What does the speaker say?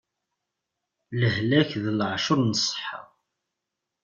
Lehlak d laɛcuṛ n ṣṣeḥḥa.